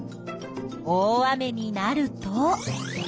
大雨になると。